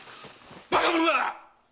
バカ者が！